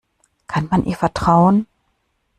Kann man ihr vertrauen?